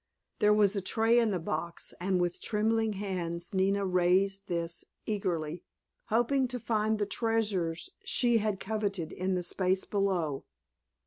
There was a tray in the box, and with trembling hands Nina raised this eagerly, hoping to find the treasures she had coveted in the space below.